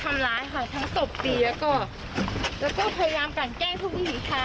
พยายามกันแกล้งคนทุกวิธีทาง